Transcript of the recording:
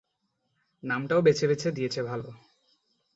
নামটাও বেছে বেছে দিয়েছে ভালো।